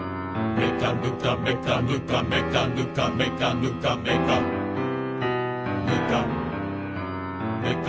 「めかぬかめかぬかめかぬかめかぬかめかぬか」